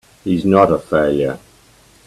He's not a failure!